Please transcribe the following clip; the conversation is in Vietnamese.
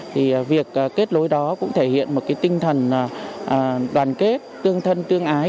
thì việc kết lối đó cũng thể hiện một cái tinh thần đoàn kết tương thân tương ái